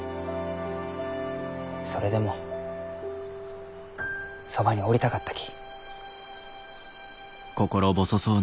それでもそばにおりたかったき。